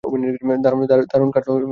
দারুণ কাটলো বলা যায়।